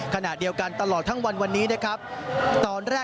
ขนาดเดียวกันตลอดทั้งวันสุดท้ายตอนแรก